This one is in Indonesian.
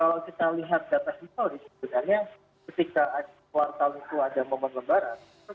kalau kita lihat data historis sebenarnya ketika kuartal itu ada momen lebaran